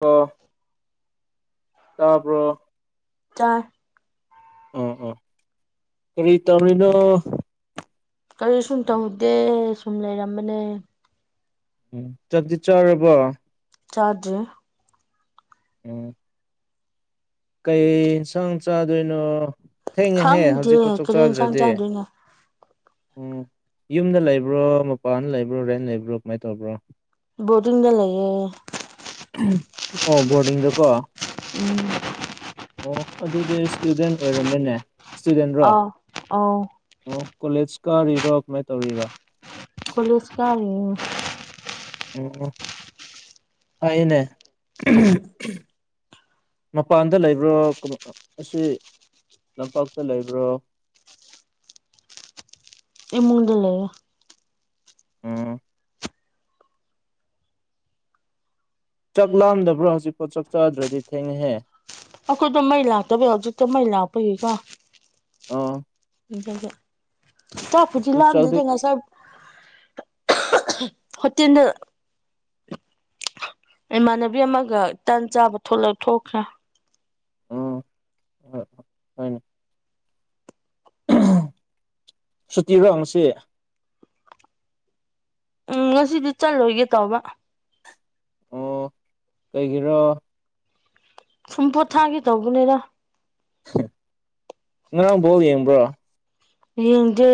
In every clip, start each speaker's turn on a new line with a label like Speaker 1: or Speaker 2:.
Speaker 1: ꯑꯣ ꯇꯥꯕ꯭ꯔꯣ
Speaker 2: ꯇꯥꯢ
Speaker 1: ꯑꯣ ꯑꯣ ꯀꯔꯤ ꯇꯧꯔꯤꯅꯣ
Speaker 2: ꯀꯔꯤ ꯁꯨ ꯇꯧꯗꯦ ꯁꯨꯝ ꯂꯩꯔꯝꯕꯅꯦ
Speaker 1: ꯎꯝ ꯆꯥꯛꯇꯤ ꯆꯔꯕꯣ
Speaker 2: ꯆꯥꯗꯔꯤ
Speaker 1: ꯎꯝ ꯀꯩ ꯌꯦꯟꯁꯥꯡ ꯆꯥꯗꯣꯏꯅꯣ ꯊꯦꯡꯉꯦꯍꯦ
Speaker 2: ꯈꯪꯗꯦ
Speaker 1: ꯍꯧꯖꯤꯛ ꯆꯥꯛ
Speaker 2: ꯀꯔꯤ ꯌꯦꯟꯁꯥꯡ
Speaker 1: ꯆꯥꯗ꯭ꯔꯗꯤ
Speaker 2: ꯆꯥꯗꯣꯏꯅꯣ
Speaker 1: ꯎꯝ ꯌꯨꯝꯗ ꯂꯩꯕ꯭ꯔꯣ ꯃꯄꯥꯟꯗ ꯂꯩꯕ꯭ꯔꯣ ꯔꯦꯟ ꯂꯩꯕ꯭ꯔꯣ ꯀꯃꯥꯏꯅ ꯇꯧꯕ꯭ꯔꯣ
Speaker 2: ꯕꯣꯔꯗꯤꯡꯗ ꯂꯩꯌꯦ
Speaker 1: ꯑꯣ ꯕꯣꯔꯗꯤꯡꯗꯀꯣ
Speaker 2: ꯎꯝ
Speaker 1: ꯑꯣ ꯑꯗꯨꯗꯤ ꯏꯁꯇꯨꯗꯦꯟ ꯑꯣꯏꯔꯝꯃꯧꯅꯦ ꯏꯁꯇꯨꯗꯦꯟꯔꯣ
Speaker 2: ꯑꯥꯎ ꯑꯥꯎ
Speaker 1: ꯑꯣ ꯀꯣꯂꯦꯖ ꯀꯥꯔꯤꯔꯣ ꯀꯃꯥꯏꯅ ꯇꯧꯔꯤꯔꯣ
Speaker 2: ꯀꯣꯂꯦꯖ ꯀꯔꯤꯌꯦ
Speaker 1: ꯐꯩꯌꯦꯅꯦ ꯃꯄꯥꯟꯗ ꯂꯩꯕ꯭ꯔꯣ ꯑꯁꯤ ꯇꯥꯝꯄꯥꯛꯇ ꯂꯩꯕ꯭ꯔꯣ
Speaker 2: ꯏꯃꯨꯡꯗ ꯂꯩꯑꯦ
Speaker 1: ꯎꯝ ꯆꯥꯛ ꯂꯥꯝꯗꯕ꯭ꯔꯣ ꯍꯧꯖꯤꯛꯐꯥꯎ ꯆꯥꯛ ꯆꯥꯗ꯭ꯔꯗꯤ ꯊꯦꯡꯉꯦꯍꯦ
Speaker 2: ꯑꯩꯈꯣꯏꯗꯣ ꯃꯩ ꯂꯥꯛꯇꯕ ꯍꯧꯖꯤꯛꯇ ꯃꯩ ꯂꯥꯛꯄꯒꯤꯀꯣ
Speaker 1: ꯑꯣ
Speaker 2: ꯑꯗꯨꯒꯤ ꯆꯥꯛꯕꯨꯗꯤ
Speaker 1: ꯑꯗꯨ ꯆꯥꯛꯗꯤ
Speaker 2: ꯂꯥꯝꯗꯦꯗ ꯉꯁꯥꯢ ꯍꯣꯇꯦꯜꯗ ꯏꯃꯥꯟꯅꯕꯤ ꯑꯃꯒ ꯇꯟ ꯆꯥꯕ ꯊꯣꯛꯈ꯭ꯔꯦ
Speaker 1: ꯑꯣ ꯍꯣꯢ ꯍꯣꯢꯅꯦ ꯁꯨꯇꯤꯔꯣ ꯉꯁꯤ
Speaker 2: ꯎꯝ ꯉꯁꯤꯗꯤ ꯆꯠꯂꯣꯏꯒꯦ ꯇꯧꯕ
Speaker 1: ꯑꯣ ꯀꯩꯒꯤꯔꯣ
Speaker 2: ꯁꯨꯝ ꯄꯣꯊꯥꯒꯤ ꯇꯧꯕꯅꯤꯗ
Speaker 1: ꯉꯔꯥꯡ ꯕꯣꯜ ꯌꯦꯡꯕ꯭ꯔꯣ
Speaker 2: ꯌꯦꯡꯗꯦ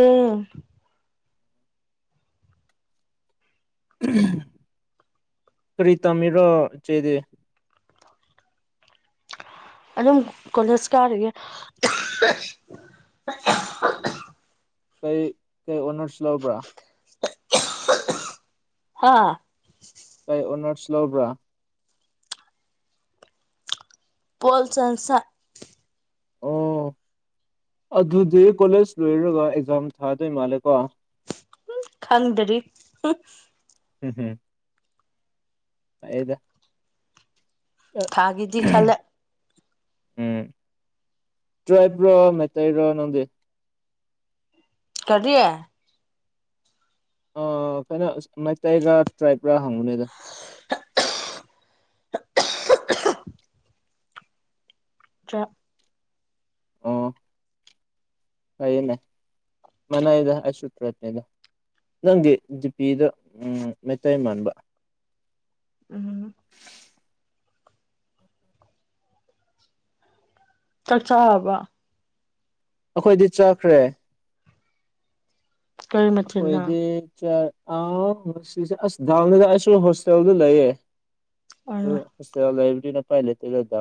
Speaker 1: ꯀꯔꯤ ꯇꯝꯃꯤꯔꯣ ꯢꯆꯦꯗꯤ
Speaker 2: ꯑꯗꯨꯝ ꯀꯣꯂꯦꯖ ꯀꯥꯔꯤꯌꯦ
Speaker 1: ꯀꯩ ꯀꯩ ꯑꯣꯅꯔꯁ ꯂꯥꯎꯕ꯭ꯔꯥ
Speaker 2: ꯍꯥ
Speaker 1: ꯀꯩ ꯑꯣꯅꯔꯁ ꯂꯧꯕ꯭ꯔꯥ
Speaker 2: ꯄꯣꯜꯆꯟ ꯁꯥ [unintelligible]
Speaker 1: ꯑꯣ ꯑꯗꯨꯗꯤ ꯀꯣꯂꯦꯖ ꯂꯣꯏꯔꯒ ꯑꯦꯛꯖꯥꯝ ꯊꯥꯗꯣꯏ ꯃꯥꯜꯂꯦꯀꯣ
Speaker 2: ꯎꯝ ꯈꯪꯗ꯭ꯔꯤ
Speaker 1: ꯍꯨꯝ ꯍꯨꯝ ꯐꯩꯗ
Speaker 2: ꯊꯥꯒꯦꯗꯤ ꯈꯜꯂꯦ
Speaker 1: ꯎꯝ ꯇ꯭ꯔꯥꯏꯕ ꯔꯣ ꯃꯩꯇꯩ ꯔꯣ ꯅꯪꯗꯤ
Speaker 2: ꯀꯔꯤ
Speaker 1: ꯑꯥ ꯀꯩꯅꯣ ꯑꯥ ꯃꯩꯇꯩꯥꯔ ꯇ꯭ꯔꯥꯏꯞꯔ ꯍꯪꯕꯅꯤꯗ
Speaker 2: ꯆ
Speaker 1: ꯑꯣ ꯏꯅꯦ ꯃꯅꯥ ꯏꯗ ꯍꯥꯏꯁꯨ ꯇꯔ꯭ꯥꯞꯅꯦꯗ ꯅꯪꯗꯤ ꯖꯤꯄꯤꯗ ꯃꯩꯇꯩꯥꯏ ꯃꯥꯟꯕ
Speaker 2: ꯎꯝ ꯆꯠ ꯆ ꯍꯥꯕ
Speaker 1: ꯑꯩꯈꯣꯏꯗꯤ ꯆꯠꯈ꯭ꯔꯦ
Speaker 2: ꯀꯔꯤ ꯃꯊꯦꯜꯅꯣ
Speaker 1: ꯑꯩꯈꯣꯏꯗꯤ ꯆ ꯑ ꯉꯁꯤꯁꯦ ꯑꯁ ꯗꯥꯎꯗ ꯑꯁ ꯍꯣꯁꯇꯦꯜꯗ ꯂꯩꯌꯦꯦ
Speaker 2: ꯑꯣ
Speaker 1: ꯑ ꯍꯁ ꯂꯩꯥꯏꯕꯔꯤꯅ ꯄꯥꯏ ꯂꯩꯇ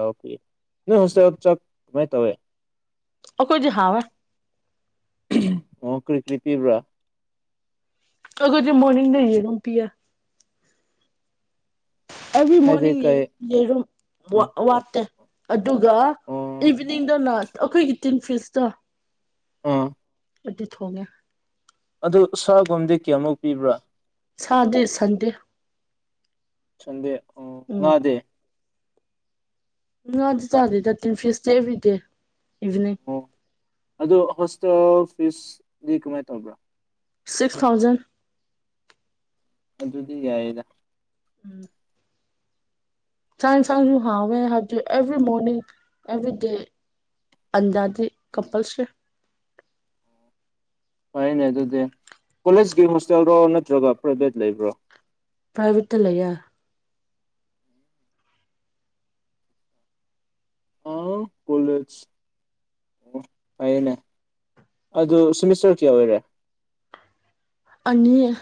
Speaker 1: ꯅ ꯍꯁ ꯆꯥꯛ ꯀꯃꯥꯏ ꯇꯧꯋꯦ
Speaker 2: ꯑꯣꯈꯣꯏ ꯍꯥꯕ
Speaker 1: ꯑꯣ ꯀ꯭ꯔꯤ ꯀ꯭ꯔꯤ ꯄꯤꯕ꯭ꯔꯥ
Speaker 2: ꯑꯈꯣꯖꯤ ꯃꯣꯔꯅꯤꯡꯗ ꯌꯦꯔꯨꯝ ꯄꯤꯑꯦ ꯑꯦꯚ꯭ꯔꯤ
Speaker 1: ꯍꯥꯏꯗꯤ
Speaker 2: ꯃꯣꯔꯅꯤꯡ ꯌꯦ
Speaker 1: ꯀꯩ
Speaker 2: ꯌꯦ ꯑꯗꯨꯨꯝ
Speaker 1: ꯑ
Speaker 2: ꯋꯥꯠꯇꯦ ꯑꯗꯨꯒ
Speaker 1: ꯑꯣ
Speaker 2: ꯏꯚꯅꯤꯡꯗꯅ ꯑꯩꯈꯣꯏꯒꯤ ꯇꯤꯟꯐꯤꯁꯇꯣ
Speaker 1: ꯑꯣ
Speaker 2: ꯑꯗꯨ ꯊꯣꯡꯉꯦ
Speaker 1: ꯑꯗꯨ ꯁꯥꯒꯨꯝꯗꯤ ꯀꯌꯥꯃꯨꯛ ꯄꯤꯕ꯭ꯔꯥ
Speaker 2: ꯁꯥꯗꯦ ꯁꯪꯗꯦ
Speaker 1: ꯁꯟꯗꯦ ꯑꯣ
Speaker 2: ꯎꯝ
Speaker 1: ꯉꯥꯗꯤ
Speaker 2: ꯉꯥꯗꯤ ꯆꯥꯗꯦꯗ ꯇꯤꯟ ꯐꯤꯁꯇ ꯑꯦꯕ꯭ꯔꯤꯗꯦ ꯏꯚꯤꯅꯤꯡ
Speaker 1: ꯑꯣ ꯑꯗꯨꯗ ꯍꯣꯁꯇꯦꯜ ꯐꯤꯁꯗꯤ ꯀꯃꯥꯏꯅ ꯇꯧꯕ꯭ꯔꯥ
Speaker 2: ꯁꯤꯛꯁ ꯊꯥꯎꯖꯟ
Speaker 1: ꯑꯗꯨꯗꯤ ꯌꯥꯏꯗ
Speaker 2: ꯎꯝ ꯁꯥꯡ ꯁꯥꯡꯁꯨ ꯍꯦ ꯍꯥꯇ ꯑꯦꯕ꯭ꯔꯤ ꯃꯣꯅꯤꯡ ꯑꯦꯕ꯭ꯔꯤ ꯗꯦ ꯑꯟꯗ ꯁꯤ
Speaker 1: ꯎꯝ
Speaker 2: ꯀꯝꯄꯜꯁꯔꯤ
Speaker 1: ꯍꯅꯦ ꯑꯗꯨꯗꯤ ꯀꯣꯂꯦꯖꯀꯤ ꯍꯣꯁꯇꯦꯜꯔꯣ ꯅꯠꯇ꯭ꯔꯒ ꯄ꯭ꯔꯥꯏꯚꯦꯠ ꯂꯩꯕ꯭ꯔꯣ
Speaker 2: ꯄ꯭ꯔꯥꯏꯚꯦꯠꯇ ꯂꯩꯌꯦ
Speaker 1: ꯑꯥꯎ ꯀꯣꯂꯦꯖ ꯑꯣ ꯍꯥꯏꯅꯦ ꯑꯗꯨ ꯁꯤꯦꯃꯤꯁꯇꯔ ꯀꯌꯥ ꯑꯣꯏꯔꯦ
Speaker 2: ꯑꯅꯤ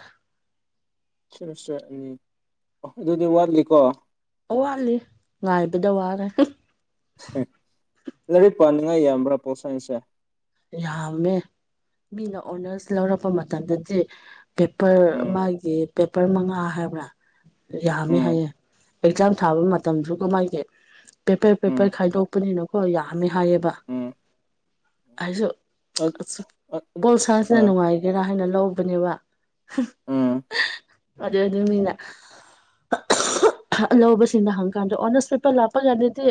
Speaker 1: ꯁꯁꯅꯤ ꯑꯗꯨꯗꯤ ꯋꯥꯠꯂꯤꯀꯣ
Speaker 2: ꯑꯋꯥꯠꯂꯤ ꯉꯥꯏꯕꯗ ꯋꯥꯔꯦ
Speaker 1: ꯂꯥꯏꯔꯤꯛ ꯄꯥꯅꯤꯡꯉꯥꯏ ꯌꯥꯝꯕ꯭ꯔꯥ ꯄꯣꯛꯠꯁꯥꯏꯁꯦ
Speaker 2: ꯌꯥꯝꯃꯦ ꯃꯤꯅ ꯑꯣꯅꯔꯁ ꯂꯧꯔꯛꯄ ꯃꯇꯝꯗꯗꯤ ꯄꯦꯄꯔ
Speaker 1: ꯎꯝ
Speaker 2: ꯃꯥꯒꯤ ꯄꯦꯄꯔ ꯃꯉꯥ ꯍꯥꯏꯕ꯭ꯔꯥ ꯌꯥꯝꯃꯦ
Speaker 1: ꯎꯝ
Speaker 2: ꯍꯥꯏꯌꯦ ꯑꯦꯛꯖꯥꯝ ꯊꯥꯕ ꯃꯇꯝꯗꯨꯒ ꯃꯥꯥꯏꯒꯤ ꯄꯦꯄꯔ
Speaker 1: ꯎꯝ
Speaker 2: ꯄꯦꯄꯔ ꯈꯥꯏꯗꯣꯛꯄꯅꯤꯅꯀꯣ ꯌꯥꯝꯃꯦ ꯍꯥꯏꯌꯦꯕ
Speaker 1: ꯎꯝ
Speaker 2: ꯑꯩꯁꯨ
Speaker 1: ꯑꯠ
Speaker 2: ꯑ
Speaker 1: ꯑꯠ
Speaker 2: ꯄꯣꯜꯁꯥꯁꯤꯅ
Speaker 1: ꯍꯣꯏ
Speaker 2: ꯅꯨꯡꯉꯥꯏꯒꯦꯔꯥ ꯍꯥꯏꯅ ꯂꯧꯕꯅꯦꯕ
Speaker 1: ꯎꯝ
Speaker 2: ꯑꯗꯨ ꯑꯗꯨ ꯑꯗꯨ ꯃꯤꯅ ꯂꯧꯕꯁꯤꯡꯅ ꯍꯪꯀꯥꯟꯗ ꯑꯣꯅꯔꯁ ꯄꯦꯄꯔ ꯂꯥꯞꯄ ꯀꯥꯟꯗꯗꯤ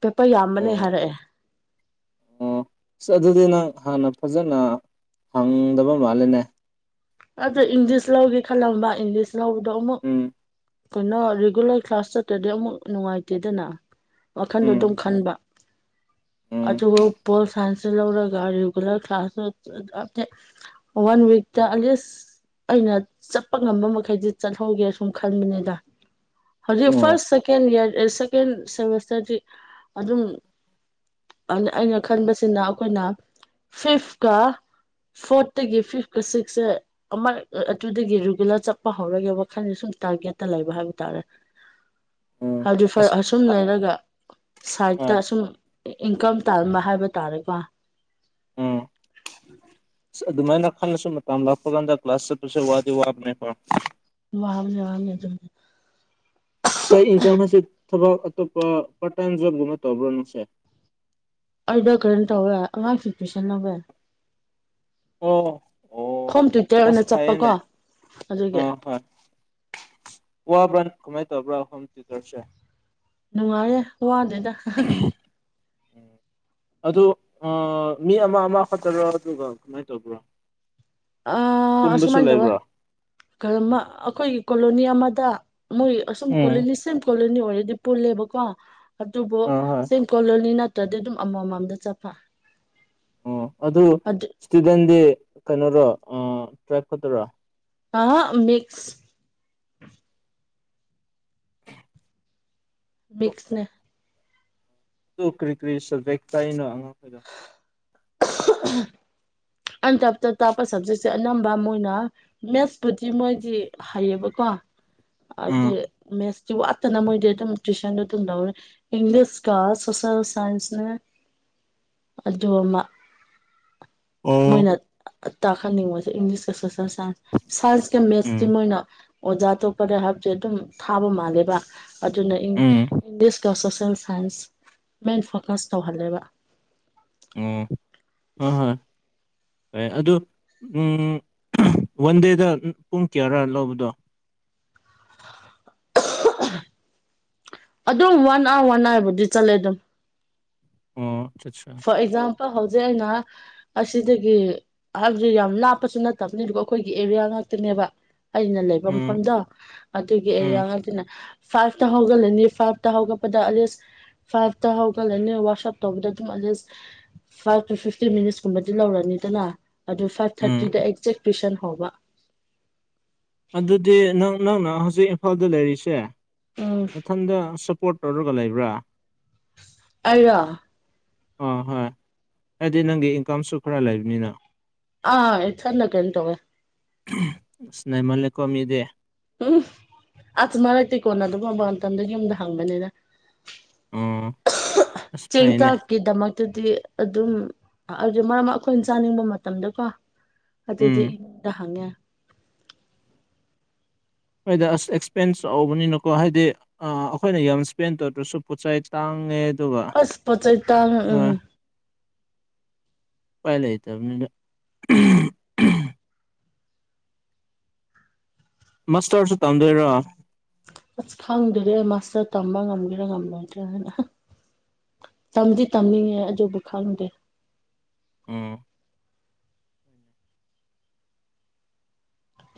Speaker 2: ꯄꯦꯄꯔ ꯌꯥꯝꯕ ꯂꯩ
Speaker 1: ꯎꯝ
Speaker 2: ꯍꯥꯏꯔꯛꯑꯦ
Speaker 1: ꯑꯣ ꯑꯁ ꯑꯗꯨꯗꯤ ꯅꯪ ꯍꯥꯟꯅ ꯐꯖꯅ ꯐꯪꯗꯕ ꯃꯥꯜꯂꯦꯅꯦ
Speaker 2: ꯑꯗꯨ ꯏꯪꯂꯤꯁ ꯂꯧꯒꯦ ꯈꯜꯂꯝꯕ ꯏꯪꯂꯤꯁ ꯂꯧꯕꯗꯣ ꯑꯃꯨꯛ
Speaker 1: ꯎꯝ
Speaker 2: ꯀꯣꯏꯩꯅꯣ ꯔꯤꯒꯨꯂꯔ ꯀ꯭ꯂꯥꯁ ꯆꯠꯇ꯭ꯔꯗꯤ ꯑꯃꯨꯛ ꯅꯨꯡꯉꯥꯏꯇꯦꯗꯅ ꯋꯥꯈꯟꯗꯣ ꯑꯗꯨꯝ
Speaker 1: ꯎꯝ
Speaker 2: ꯈꯟꯕ
Speaker 1: ꯎꯝ
Speaker 2: ꯑꯆꯄꯣꯜ ꯁ ꯂꯧꯔꯒꯒꯥ ꯔꯤꯒꯨꯂꯔ ꯀ꯭ꯂꯥꯁ ꯋꯥꯟ ꯋꯤꯛꯇ ꯑꯦꯠꯂꯤꯁ ꯑꯩꯅ ꯆꯠꯄ ꯉꯝꯕ ꯃꯈꯩꯗꯤ ꯆꯠꯍꯧꯒꯦ ꯁꯨꯝ ꯈꯪꯕꯅꯤꯗ ꯍꯧꯖꯤꯛ
Speaker 1: ꯎꯝ
Speaker 2: ꯐꯥꯔꯁ ꯁꯦꯀꯦꯟꯌꯥꯔ ꯁꯦꯀꯦꯟ ꯁꯦꯃꯤꯁꯇꯔ ꯗꯤ ꯑꯗꯨꯝ ꯑꯩꯅ ꯈꯟꯕꯁꯤꯅ ꯑꯩꯈꯣꯏꯅ ꯐꯤꯐ ꯀ ꯐꯣꯔꯠ ꯇꯒꯤ ꯐꯤꯐ ꯀ ꯁꯤꯛꯁꯁꯦ ꯑꯃ ꯑꯗꯨꯗꯒꯤ ꯔꯨꯒꯨꯂꯥ ꯆꯠꯄ ꯍꯧꯔꯒꯦ ꯋꯥꯈꯜꯗ ꯁꯨꯝ ꯇꯥꯔꯒꯦꯠꯇ ꯂꯩꯕ ꯍꯥꯏꯕ ꯇꯥꯔꯦ
Speaker 1: ꯎꯝ
Speaker 2: ꯍꯥꯏꯗꯤ ꯐ
Speaker 1: ꯑꯁ
Speaker 2: ꯑꯁꯨꯝ
Speaker 1: ꯑ
Speaker 2: ꯂꯩꯔꯒ
Speaker 1: ꯍꯣꯏ
Speaker 2: ꯁꯥꯏꯠꯇ ꯁꯨꯝ ꯏꯟꯀꯝ ꯇꯥꯟꯕ ꯍꯥꯏꯕ ꯇꯥꯔꯦꯀꯣ
Speaker 1: ꯎꯝ ꯑꯗꯨꯃꯥꯏꯅ ꯈꯜꯂꯁꯨ ꯃꯇꯝ ꯂꯥꯛꯄ ꯀꯥꯟꯗ ꯀ꯭ꯂꯥꯁ ꯆꯠꯄꯁꯦ ꯋꯥꯗꯤ ꯋꯥꯕꯅꯦꯀꯣ
Speaker 2: ꯋꯥꯕꯗꯤ ꯋꯥꯔꯝꯅꯤ ꯑꯗꯨꯝ
Speaker 1: ꯁꯥꯏꯠ ꯏꯟꯀꯝ ꯍꯥꯏꯁꯦ ꯊꯕꯛ ꯑꯇꯣꯞꯄ ꯄꯥꯔꯠ ꯇꯥꯏꯝ ꯖꯣꯕꯒꯨꯝꯕ ꯇꯧꯕ꯭ꯔꯣ ꯅꯪꯁꯦ
Speaker 2: ꯑꯩꯗꯣ ꯀꯔꯤ ꯇꯧꯋꯦ ꯑꯉꯥꯡꯁꯤꯡ ꯇ꯭ꯋꯨꯁꯟ ꯂꯧꯋꯦ
Speaker 1: ꯑꯣ ꯑꯣ
Speaker 2: ꯍꯣꯝ ꯇ꯭ꯋꯨꯏꯇꯔ ꯑꯣꯏꯅ
Speaker 1: ꯑꯁ
Speaker 2: ꯆꯠꯄꯀꯣ
Speaker 1: ꯐꯩꯌꯦꯅꯦ
Speaker 2: ꯑꯗꯨꯒꯤ
Speaker 1: ꯋꯥꯕ꯭ꯔꯥꯥ ꯀꯃꯥꯏ ꯇꯧꯕ꯭ꯔꯥ ꯍꯣꯝ ꯇꯨꯏꯇꯔꯁꯦ
Speaker 2: ꯅꯨꯡꯉꯥꯏꯌꯦ ꯋꯥꯗꯦꯗ
Speaker 1: ꯎꯝ ꯑꯗꯨ ꯑ ꯃꯤ ꯑꯃ ꯑꯃ ꯈꯠꯇꯔ ꯑꯗꯨꯒ ꯀꯃꯥꯏꯅ ꯇꯧꯕ꯭ꯔ
Speaker 2: ꯑ ꯑꯁꯨꯃꯥꯏꯅ ꯇꯧꯌꯦ
Speaker 1: ꯂꯩꯕ꯭ꯔꯣ
Speaker 2: ꯀꯔꯤꯃꯥ ꯑꯩꯈꯣꯏꯒꯤ ꯀꯣꯂꯣꯅꯤ ꯑꯃꯗ ꯃꯣꯏ ꯑꯁꯨꯝ
Speaker 1: ꯎꯝ
Speaker 2: ꯀꯣꯂꯣꯅꯤ ꯁꯦꯝ ꯀꯣꯂꯣꯅꯤ ꯑꯣꯏꯔꯗꯤ ꯄꯨꯜꯂꯦꯕꯀꯣ ꯑꯗꯨꯕꯨ
Speaker 1: ꯑꯥ ꯍꯣꯏ
Speaker 2: ꯁꯦꯝ ꯀꯣꯂꯣꯅꯤ ꯅꯠ ꯇꯗꯤ ꯗꯨꯝ ꯑꯃ ꯃꯝꯗ ꯆꯠꯄ
Speaker 1: ꯑꯣ ꯑꯗꯨ ꯏꯁꯇꯨꯗꯦꯟꯗꯤ ꯀꯩꯅꯣꯔ ꯑ ꯇ꯭ꯔꯥꯏꯞ ꯈꯠꯇꯥꯔ
Speaker 2: ꯑꯍꯥ ꯃꯤꯛꯁ ꯃꯤꯛꯁꯅꯦ
Speaker 1: ꯇꯨ ꯀ꯭ꯔꯤ ꯀ꯭ꯔꯤ ꯁꯞꯖꯦꯛ ꯇꯥꯛꯏꯅꯣ ꯑꯉꯥꯡ ꯈꯣꯏꯗ
Speaker 2: [inaudible] ꯑ ꯩ ꯇꯥꯞꯇ ꯇꯥꯛꯄ ꯁꯕꯖꯦꯛꯁꯦ ꯑꯅꯝꯕ ꯃꯣꯏꯅ ꯃꯦꯠꯁꯄꯨꯗꯤ ꯃꯣꯏꯗꯤ ꯍꯩꯌꯦꯕꯀꯣ
Speaker 1: ꯎꯝ
Speaker 2: ꯑꯗꯨꯏ ꯃꯦꯠꯁꯇꯤ ꯋꯥꯠꯇꯅ ꯃꯣꯏꯗꯤ ꯑꯗꯨꯝ ꯇꯨꯏꯁꯟꯗꯣ ꯗꯨꯝ ꯇꯧꯔꯦ ꯏꯪꯂꯤꯁ ꯀꯥ ꯁꯣꯁꯦꯜ ꯁꯥꯏꯟꯁ ꯅꯦ ꯑꯗꯨ ꯑꯃ
Speaker 1: ꯑꯣ
Speaker 2: ꯃꯣꯏꯅ ꯇꯥꯛꯍꯟꯅꯤꯡꯕꯁꯦ ꯏꯪꯂꯤꯁꯀ ꯁꯣꯁꯦꯜ ꯁꯥꯏꯟꯁ ꯁꯥꯏꯟꯁꯀ ꯃꯦꯁꯇꯤ
Speaker 1: ꯎꯝ
Speaker 2: ꯃꯣꯏꯅ ꯑꯣꯖꯥ ꯇꯣꯄꯗ ꯍꯥꯏꯕꯁꯦ ꯑꯗꯨꯝ ꯊꯥꯕ ꯃꯥꯜꯂꯦꯕ ꯑꯗꯨꯅ ꯏꯪ
Speaker 1: ꯎꯝ
Speaker 2: ꯏꯪꯂꯤꯁꯀ ꯁꯣꯁꯦꯜ ꯁꯥꯏꯟꯁ ꯃꯦꯁ ꯐꯣꯀꯁ ꯇꯧꯍꯜꯂꯦꯕ
Speaker 1: ꯎꯝ ꯍꯣꯏ ꯍꯣꯏ ꯍꯣꯏ ꯑꯗꯨ ꯎꯝ ꯋꯥꯟꯗꯦꯗ ꯄꯨꯡ ꯀꯌꯥꯔꯥ ꯂꯧꯕꯗꯣ
Speaker 2: ꯑꯗꯨꯝ ꯋꯥꯟ ꯑꯋꯥꯔ ꯅꯥꯏꯕꯨꯗꯤ ꯆꯠꯂꯦ ꯑꯗꯨꯝ
Speaker 1: ꯑꯣ ꯆꯁꯨ
Speaker 2: ꯐꯣꯔ ꯑꯦꯛꯖꯥꯝ ꯍꯧꯖꯤꯛ ꯑꯩꯅ ꯑꯁꯤꯗꯒꯤ ꯍꯥꯏꯕꯗꯤ ꯌꯥꯝ ꯂꯥꯞꯄꯁꯨ ꯅꯠꯇꯕꯅꯤ ꯑꯗꯨꯒ ꯑꯩꯈꯣꯏꯒꯤ ꯑꯦꯔꯤꯌꯥ ꯉꯥꯛꯇꯅꯦꯕ ꯑꯩꯅ ꯂꯩꯕ
Speaker 1: ꯎꯝ
Speaker 2: ꯃꯐꯝꯗꯣ ꯑꯗꯨꯒꯤ
Speaker 1: ꯎꯝ
Speaker 2: ꯑꯦꯔꯤꯌꯥ ꯉꯥꯛꯇꯅꯦ ꯐꯥꯏꯚꯇ ꯍꯧꯒꯠꯂꯅꯤ ꯐꯥꯏꯚꯇ ꯍꯧꯒꯠꯄꯗ ꯑꯦꯛꯂꯤꯁ ꯐꯥꯏꯚꯇ ꯍꯧꯒꯠꯂꯅꯤ ꯋꯥꯁꯞ ꯇꯧꯕꯗ at least five to fifteen minutes ꯀꯨꯝꯕꯗꯤ ꯂꯧꯔꯅꯤꯗꯅ ꯑꯗꯨ ꯐꯥꯏꯚ
Speaker 1: ꯎꯝ
Speaker 2: ꯊꯥꯔꯇꯤꯗ ꯑꯦꯛꯖꯦꯛ ꯇꯨꯏꯁꯟ ꯍꯧꯕ
Speaker 1: ꯑꯗꯨꯗꯤ ꯅꯪ ꯅꯪꯅ ꯍꯧꯖꯤꯛ ꯏꯝꯐꯥꯜꯗ ꯂꯩꯔꯤꯁꯦ
Speaker 2: ꯎꯝ
Speaker 1: ꯅꯊꯟꯗꯁꯨꯝ ꯄꯣꯠ ꯇꯧꯔꯒ ꯂꯩꯕ꯭ꯔꯥ
Speaker 2: ꯑꯩꯔꯣ
Speaker 1: ꯍꯣꯏ ꯍꯣꯏ ꯍꯥꯏꯗꯤ ꯅꯪꯗꯤ ꯏꯟꯀꯝꯁꯨ ꯈꯔ ꯂꯩꯕꯅꯤꯅ
Speaker 2: ꯑ ꯏꯊꯟꯗ ꯀꯩꯅꯣ ꯇꯧꯋꯦ
Speaker 1: ꯏꯁ ꯅꯩꯃꯜꯂꯦꯀꯣ ꯃꯤꯗꯤ
Speaker 2: ꯎꯝ ꯑꯁ ꯃꯔꯛꯇꯩ ꯀꯣꯟꯅꯗꯕꯒꯨꯝꯕ ꯃꯇꯝꯗ ꯌꯨꯝꯗ ꯍꯪꯕꯅꯤꯗ
Speaker 1: ꯑꯣ ꯑꯁ
Speaker 2: ꯆꯦꯟꯇꯥ
Speaker 1: ꯐꯩꯅꯦ
Speaker 2: ꯀꯗꯃꯛꯇꯗꯤ ꯑꯗꯨꯝꯦ ꯃꯔꯝ ꯑꯩꯈꯣꯏꯅ ꯆꯥꯅꯤꯡꯕ ꯃꯇꯝꯗꯀꯣ ꯑꯗꯨꯗꯤ
Speaker 1: ꯎꯝ
Speaker 2: ꯏꯨꯝꯗ ꯍꯪꯉꯦ
Speaker 1: ꯑꯩꯣꯏꯗ ꯑꯁ ꯑꯦꯛꯁꯄꯦꯟꯁ ꯆꯥꯎꯧꯕꯅꯤꯅꯀꯣ ꯍꯥꯏꯗꯤ ꯑ ꯑꯩꯈꯣꯏꯅ ꯌꯥꯝ ꯏꯁꯄꯦꯟ ꯇꯧꯗ꯭ꯔꯁꯨ ꯄꯣꯠꯆ ꯆꯩ ꯇꯥꯡꯉꯦ ꯑꯗꯨꯒ
Speaker 2: ꯑꯁ ꯄꯣꯠ ꯆꯩ ꯇꯥꯡ
Speaker 1: ꯑ
Speaker 2: ꯎꯝ
Speaker 1: ꯎꯄꯥꯏꯂꯩꯇꯕꯅꯤꯅꯦ ꯃꯥꯁꯇꯔꯁꯨ ꯇꯝꯗꯣꯏꯔꯣ
Speaker 2: ꯑꯁ ꯈꯪꯗ꯭ꯔ ꯑꯩ ꯃꯥꯁꯇꯔ ꯇꯝꯕ ꯉꯝꯒꯦꯔꯥ ꯉꯝꯂꯣꯏꯗ꯭ꯔꯥ ꯍꯥꯏꯅ ꯇꯝꯃꯗꯤ ꯇꯝꯅꯤꯡꯉꯦ ꯑꯕꯨ ꯈꯪꯗꯦ
Speaker 1: ꯎꯝ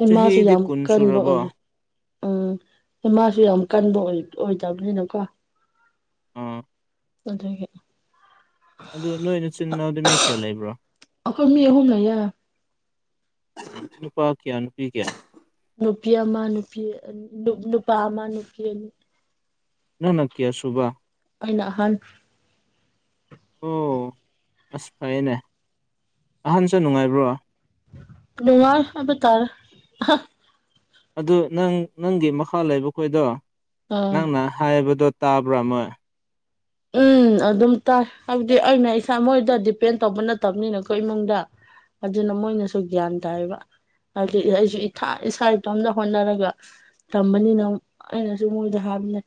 Speaker 2: ꯏꯃꯥꯁꯨ
Speaker 1: ꯆꯍꯤꯗꯤ
Speaker 2: ꯌꯥꯝ
Speaker 1: ꯀꯨꯟ
Speaker 2: ꯀꯟꯕ
Speaker 1: ꯁꯨꯔꯕꯣ
Speaker 2: ꯑꯣꯏ ꯎꯝ ꯏꯃꯥꯁꯨ ꯌꯥꯝ ꯀꯟꯕ ꯑꯣꯏꯗꯕꯅꯤꯅꯀꯣ
Speaker 1: ꯑ
Speaker 2: ꯑꯗꯨꯒ
Speaker 1: ꯑꯗꯨ ꯅꯣꯏꯅ ꯆꯤꯟꯅꯎꯗꯤ ꯃꯤ ꯀꯌꯥ ꯂꯩꯕ꯭ꯔꯣ
Speaker 2: ꯑꯈꯣꯏ ꯃꯤ ꯍꯍꯨꯅ ꯌꯥ
Speaker 1: ꯅꯨꯄꯥ ꯀꯌꯥ ꯅꯨꯄꯤ ꯀꯌꯥ
Speaker 2: ꯅꯨꯄꯤ ꯑꯃ ꯅꯨꯄꯤꯅꯤ ꯅꯨꯄꯥ ꯑꯃ ꯅꯨꯄꯤ ꯑꯅꯤ
Speaker 1: ꯅ ꯅ ꯀꯌꯥ ꯁꯕꯥ
Speaker 2: ꯑꯩꯅ ꯍꯜ
Speaker 1: ꯑꯣ ꯑꯁ ꯐꯩꯌꯦꯅꯦ ꯑꯍꯟꯁꯨ ꯅꯨꯡꯉꯥꯏꯕ꯭ꯔꯣ
Speaker 2: ꯅꯨꯡꯉꯥꯏ ꯑꯕ ꯇꯔ
Speaker 1: ꯑꯗꯨ ꯅꯪ ꯅꯪꯒꯤ ꯃꯈꯥ ꯂꯩꯕꯈꯣꯏꯗꯣ
Speaker 2: ꯑꯥ
Speaker 1: ꯅꯪꯅ ꯍꯥꯏꯕꯗꯣ ꯇꯥꯕ꯭ꯔꯥ ꯃꯣꯏ
Speaker 2: ꯎꯝ ꯑꯗꯨꯝ ꯇꯥꯏ ꯍꯥꯏꯕꯗꯤ ꯑꯩꯅ ꯏꯁꯥ ꯃꯣꯏꯗ ꯗꯤꯄꯦꯟ ꯇꯧꯕ ꯅꯠꯇꯕꯅꯤꯅꯀꯣ ꯏꯃꯨꯡꯗ ꯑꯗꯨꯅ ꯃꯣꯏꯅꯁꯨ ꯒ꯭ꯌꯥꯟ ꯇꯥꯏꯕ ꯍꯥꯏꯗꯤ ꯑꯩꯁꯨ ꯏꯁꯥ ꯏꯁꯥ ꯏꯇꯣꯝꯇ ꯍꯣꯠꯅꯔꯒ ꯇꯝꯕꯅꯤꯅ ꯑꯩꯅꯁꯨ ꯃꯣꯏꯗ ꯍꯥꯞꯕꯅꯦ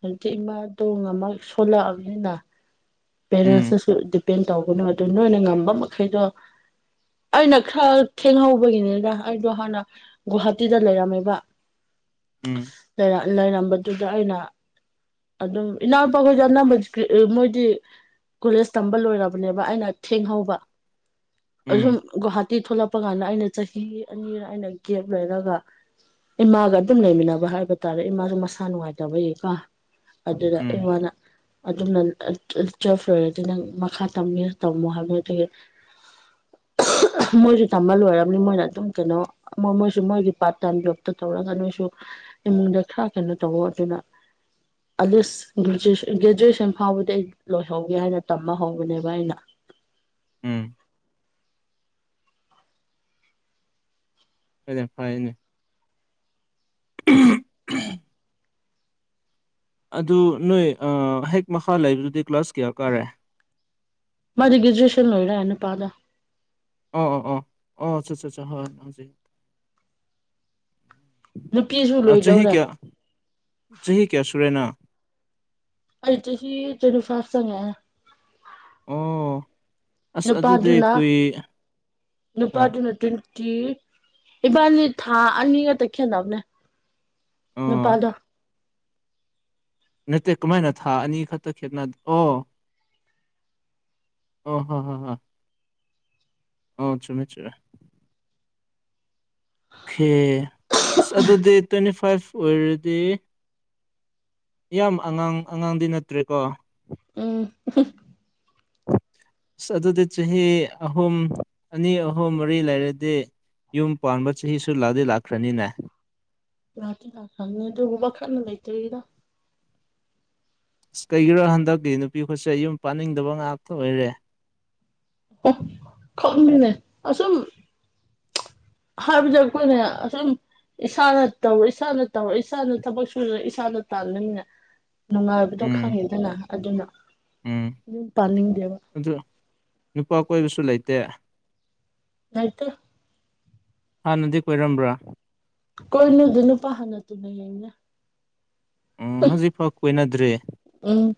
Speaker 2: ꯍꯧꯛꯇꯤ ꯏꯃꯥ ꯇꯣꯡ ꯉꯝꯃꯛ ꯐꯂꯑꯕꯅꯤꯅ
Speaker 1: ꯎꯝ
Speaker 2: ꯄꯦꯔꯦꯟꯁꯇꯁꯨ ꯗꯤꯄꯦꯟ ꯇꯧꯕꯅꯨ ꯑꯗꯨ ꯅꯣꯏꯅ ꯉꯝꯕ ꯃꯈꯩꯗꯣ ꯑꯩꯅ ꯈꯔ ꯊꯦꯡꯍꯧꯕꯒꯤꯅꯤꯗ ꯑꯩꯗꯣ ꯍꯥꯟꯅ ꯒꯨꯍꯥꯇꯤꯗ ꯂꯩꯔꯝꯃꯦꯕ
Speaker 1: ꯎꯝ
Speaker 2: ꯂꯩꯔꯝꯕꯗꯨꯗ ꯑꯩꯅ ꯑꯗꯨꯝ ꯏꯅꯥꯎꯄꯥ ꯈꯣꯏꯁꯨ ꯑꯅꯝꯕ ꯃꯣꯏꯗꯤ ꯀꯣꯂꯦꯖ ꯇꯝꯕ ꯂꯣꯏꯔꯕꯅꯦꯕ ꯑꯩꯅ ꯊꯦꯡꯍꯧꯕ
Speaker 1: ꯎꯝ
Speaker 2: ꯑꯁꯨꯝ ꯒꯨꯍꯥꯇꯤ ꯊꯣꯛꯂꯛꯄ ꯀꯥꯟꯗ ꯑꯩꯅ ꯆꯍꯤ ꯑꯅꯤꯔ ꯑꯩꯅ ꯒꯦꯞ ꯂꯩꯔꯒ ꯏꯃꯥꯒ ꯑꯗꯨꯝ ꯂꯩꯃꯤꯟꯅꯕ ꯍꯥꯏꯕ ꯇꯥꯔꯦ ꯏꯃꯥꯁꯨ ꯃꯁꯥ ꯅꯨꯡꯉꯥꯏꯇꯕꯒꯤ ꯀꯦ ꯑꯗꯨꯗ
Speaker 1: ꯎꯝ
Speaker 2: ꯏꯃꯅ ꯑꯗꯨꯝꯅ ꯆꯐ ꯂꯔꯗꯤ ꯅꯪ ꯃꯈꯥ ꯇꯝꯒꯦ ꯇꯝꯃꯣ ꯍꯥꯏꯕ ꯑꯗꯨꯒꯤ
Speaker 1: INAUDIBLE
Speaker 2: ꯃꯣꯏꯁꯨ ꯇꯝꯕ ꯂꯣꯏꯔꯕꯅꯤ ꯃꯣꯏꯅ ꯑꯗꯨꯝ ꯀꯩꯅꯣ ꯃꯣꯏ ꯃꯣꯏꯁꯨ ꯃꯣꯏꯒꯤ ꯄꯥꯔꯠ ꯇꯥꯏꯝ ꯖꯣꯕꯇ ꯇꯧꯔꯒ ꯅꯣꯏꯁꯨ ꯏꯃꯨꯡꯗ ꯈꯔ ꯀꯩꯅꯣ ꯇꯧꯋ ꯑꯗꯨꯅ ꯒ꯭ꯔꯦꯖꯨꯋꯦꯁꯟ ꯐꯥꯎꯕꯗꯤ ꯑꯩ ꯂꯣꯏꯍꯧꯒꯦ ꯍꯥꯏꯅ ꯇꯝꯃ ꯍꯧꯕꯅꯦꯕ ꯑꯩꯅ
Speaker 1: ꯎꯝ UNINTELLIGIBLE ꯐꯥꯏꯅꯦ ꯑꯗꯨ ꯅꯣꯏ ꯍꯦꯛ ꯃꯈꯥ ꯂꯩꯕꯗꯨꯗꯤ ꯀ꯭ꯂꯥꯁ ꯀꯌꯥ ꯀꯥꯔꯦ
Speaker 2: ꯃꯥꯗꯤ ꯒ꯭ꯔꯦꯖꯨꯌꯦꯁꯟ ꯂꫭꯏꯔ ꯅꯨꯄꯥꯗꫭ
Speaker 1: ꯑꯣ ꯑꯣ ꯑꯣ ꯑꯣ ꯑꯆꯥ ꯑ ꯑꯆꯥꯥ ꯍꯣꯏ
Speaker 2: ꯅꯨꯄꯤꯁꯨ
Speaker 1: ꯆꯍꯤ
Speaker 2: ꯂꯣꯏꯗꯧꯔꯦ
Speaker 1: ꯀꯌꯥ ꯆꯍꯤ ꯀꯌꯥ ꯁꯨꯔꯦꯅꯪ
Speaker 2: ꯑꯩ ꯆꯥꯍꯤ ꯇꯨꯋꯦꯟꯇꯤ ꯐꯥꯠ ꯆꯪꯂꯛꯑ
Speaker 1: ꯑꯣ ꯑꯁ ꯑꯗꯨꯗꯤ
Speaker 2: ꯅꯨꯄꯥꯗꯨꯅ
Speaker 1: ꯀꯨꯏ ꯑꯥ
Speaker 2: ꯅꯨꯄꯥꯗꯨꯅ ꯇꯤꯟ ꯀꯤ ꯏꯕꯥꯟꯅꯤ ꯊꯥ ꯑꯅꯤꯒꯛꯇ ꯈꯦꯠꯅꯕꯅꯕꯅꯦ
Speaker 1: ꯑꯣ
Speaker 2: ꯅꯨꯄꯥꯗꯣ
Speaker 1: ꯅꯠꯇꯦ ꯀꯃꯥꯏꯅ ꯊꯥ ꯑꯅꯤ ꯈꯛꯇ ꯈꯦꯠꯅ ꯑꯣ ꯑꯣ ꯍꯣ ꯍꯣ ꯍꯣꯏ ꯑꯣ ꯆꯨꯝꯃꯤ ꯑꯣꯀꯦ ꯑꯁ ꯑꯗꯨꯗꯤ ꯇ꯭ꯋꯦꯟꯇꯤ ꯐꯥꯏꯚ ꯑꯣꯏꯔꯗꯤ ꯌꯥꯝꯌꯥꯝ ꯑꯉꯥꯡ ꯑꯉꯥꯡꯗꯤ ꯅꯠꯇ꯭ꯔꯦꯀꯣ
Speaker 2: ꯎꯝ
Speaker 1: ꯑꯁ ꯑꯗꯨꯗꯤ ꯆꯍꯤ ꯑꯍꯨꯝ ꯑꯅꯤ ꯑꯍꯨꯝ ꯃꯔꯤ ꯂꯩꯔꯗꯤ ꯌꯨꯝ ꯄꯥꯟꯕ ꯆꯍꯤꯁꯨ ꯂꯥꯛꯑꯗꯤ ꯂꯥꯛꯈ꯭ꯔꯅꯤꯅꯦ
Speaker 2: ꯂꯥꯀꯇꯤ ꯂꯥꯀꯈꯔꯕꯅꯦ ꯑꯗꯨꯕꯨ ꯋꯥꯈꯜꯗ ꯂꯩꯇ꯭ꯔꯤꯗ
Speaker 1: ꯑꯁ ꯀꯩꯒꯤꯔꯣ ꯍꯟꯗꯛꯇꯤ ꯅꯨꯄꯤ ꯈꯨꯠꯁꯦ ꯌꯨꯝ ꯄꯥꯅꯤꯡꯗꯕ ꯉꯥꯛꯇ ꯑꯣꯏꯔꯦ
Speaker 2: ꯑꯣ ꯈꯪꯉꯅꯦ ꯑꯁꯨꯝ ꯍꯥꯏꯕꯗ ꯑꯩꯈꯣꯏꯅ ꯑꯁꯨꯛ ꯌꯥꯝ ꯏꯁꯥꯅ ꯇꯧ ꯏꯁꯥꯅ ꯇꯧꯔ ꯏꯁꯥꯅ ꯊꯕꯛ ꯁꯨꯗ ꯏꯁꯥꯅ ꯇꯥꯜꯂꯃꯤꯅ ꯅꯨꯡꯉꯥꯏꯕꯗꯣ
Speaker 1: ꯎꯝ
Speaker 2: ꯈꯪꯉꯤꯗꯅ ꯑꯗꯨꯅ
Speaker 1: ꯎꯝ
Speaker 2: ꯑꯗꯨꯝ ꯄꯥꯅꯤꯡꯗꯦꯕ
Speaker 1: ꯑꯗꯨ ꯅꯨꯄꯥ ꯀꯣꯏꯕꯁꯨ ꯂꯩꯇꯦ
Speaker 2: ꯂꯩꯇꯦ
Speaker 1: ꯍꯥꯟꯅꯗꯤ ꯀꯣꯏꯔꯝꯕ꯭ꯔꯥ
Speaker 2: ꯀꯣꯏꯅ ꯑꯗꯨꯅ ꯄꯥꯅ ꯇꯨꯅ ꯑꯏꯩꯅ
Speaker 1: ꯎꯝ ꯍꯧꯖꯤꯛꯐꯥꯎ ꯀꯣꯏꯅꯗ꯭ꯦ
Speaker 2: ꯎꯝ